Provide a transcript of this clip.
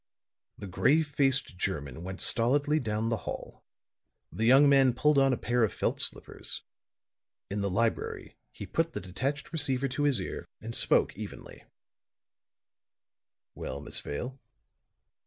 The grave faced German went stolidly down the hall; the young man pulled on a pair of felt slippers; in the library he put the detached receiver to his ear and spoke evenly: "Well, Miss Vale?"